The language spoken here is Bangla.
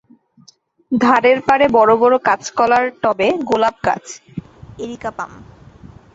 ধারে পারে বড় বড় কাঁচকড়ার টবে গোলাপ গাছ, এরিকা পাম।